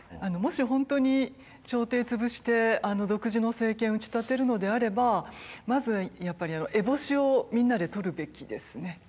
もし本当に朝廷潰して独自の政権を打ち立てるのであればまずやっぱり烏帽子をみんなで取るべきですね。